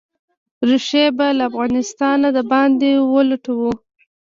ریښې به «له افغانستانه د باندې ولټوو».